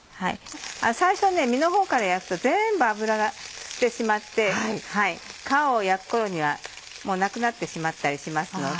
最初に身のほうから焼くと全部油が吸ってしまって皮を焼く頃にはもうなくなってしまったりしますので。